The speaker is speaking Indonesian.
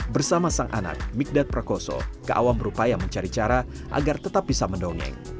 bersama sang anak migdat prakoso ke awam berupaya mencari cara agar tetap bisa mendongeng